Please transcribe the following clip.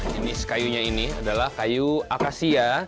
jenis kayunya ini adalah kayu akasia